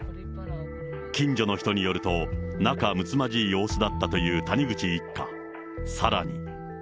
近所の人によると、仲むつまじい様子だったという谷口一家。